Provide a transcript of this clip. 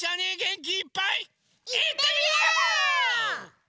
いってみよ！